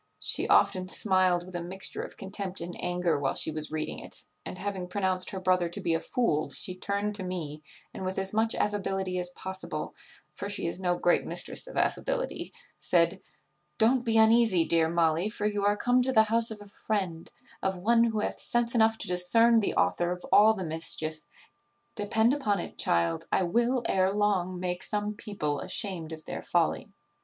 She often smiled with a mixture of contempt and anger while she was reading it; and, having pronounced her brother to be a fool, she turned to me, and, with as much affability as possible (for she is no great mistress of affability), said, 'Don't be uneasy, dear Molly, for you are come to the house of a friend of one who hath sense enough to discern the author of all the mischief: depend upon it, child, I will, ere long, make some people ashamed of their folly.